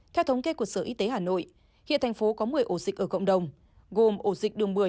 theo thống kê của sở y tế hà nội hiện thành phố có một mươi ổ dịch ở cộng đồng gồm ổ dịch đường bưở